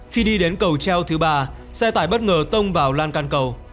khi đi đến cầu treo thứ ba xe tải bất ngờ tông vào lan can cầu